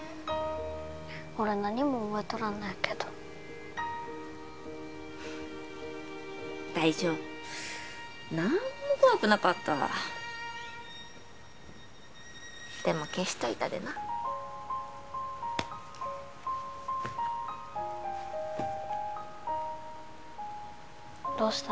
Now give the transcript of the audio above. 俺何も覚えとらんのやけど大丈夫何も怖くなかったわでも消しといたでなどうした？